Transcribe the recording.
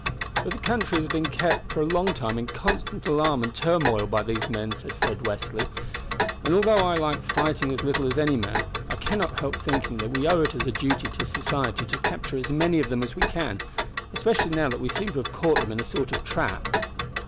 "But the country has been kept for a long time in constant alarm and turmoil by these men," said Fred Westly, "and, although I like fighting as little as any man, I cannot help thinking that we owe it as a duty to society to capture as many of them as we can, especially now that we seem to have caught them in a sort of trap."